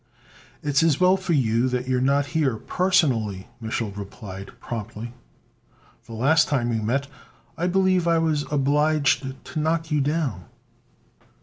"It's as well for you that you're not here personally," Mich'l replied promptly. "The last time we met I believe I was obliged to knock you down."